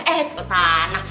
eh itu tanah